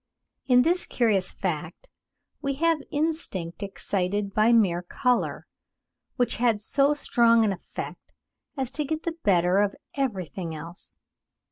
In this curious fact, we have instinct excited by mere colour, which had so strong an effect as to get the better of everything else.